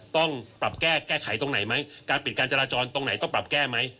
ต้องปรับแก้แก้ไขตรงไหนไหมการปิดการจราจรตรงไหนต้องปรับแก้ไหม